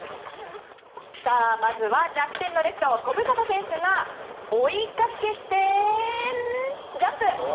まずは、楽天のレフト小深田選手が追いかけてジャンプ！